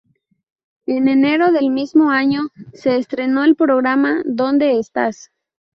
En enero del mismo año, se estrenó el programa "¿Donde estás?